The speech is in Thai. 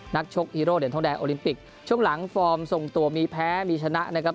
ชกฮีโร่เหรียญทองแดงโอลิมปิกช่วงหลังฟอร์มส่งตัวมีแพ้มีชนะนะครับ